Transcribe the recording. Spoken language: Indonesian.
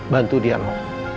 bantu dia no